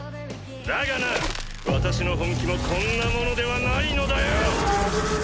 だがな私の本気もこんなものではないのだよ！